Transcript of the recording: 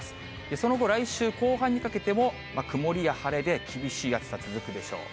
その後、来週後半にかけても曇りや晴れで、厳しい暑さ続くでしょう。